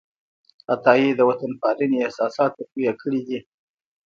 عطايي د وطنپالنې احساسات تقویه کړي دي.